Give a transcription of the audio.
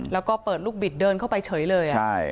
แล้วก็เปิดลูกบิดเดินเข้าไปเฉยเลย